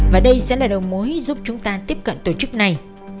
và đây sẽ là đầu mối giúp chúng ta tiếp cận tổ chức này